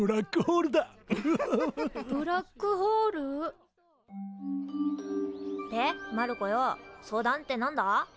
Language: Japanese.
ブラックホール？でマルコよぉ相談って何だ？